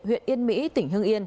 huyện yên mỹ tỉnh hưng yên